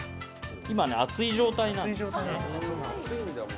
今、熱い状態なんですよ。